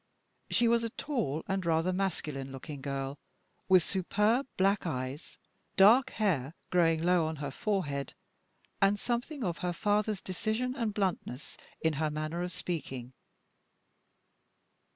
She was a tall and rather masculine looking girl, with superb black eyes, dark hair growing low on her forehead, and something of her father's decision and bluntness in her manner of speaking.